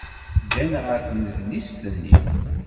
Ddan ɣer tnedlist-nni.